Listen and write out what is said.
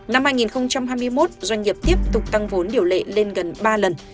năm hai nghìn hai mươi một doanh nghiệp tiếp tục tăng vốn điều lệ lên gần ba lần